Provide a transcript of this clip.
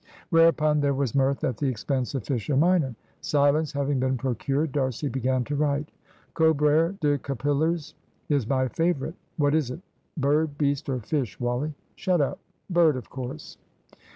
Whereupon there was mirth at the expense of Fisher minor. Silence having been procured, D'Arcy began to write. "`Cobbrer de Capillars is my favrite ' What is it? Bird, beast, or fish, Wally?" "Shut up; bird, of course."